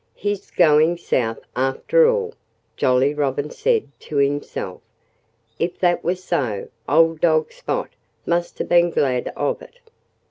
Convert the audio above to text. "He's going South, after all!" Jolly Robin said to himself. If that was so, old dog Spot must have been glad of it.